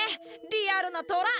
リアルなトラ！